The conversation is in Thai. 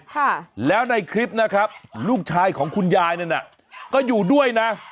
ค่ะแล้วในคลิปนะครับลูกชายของคุณยายนั่นน่ะก็อยู่ด้วยนะ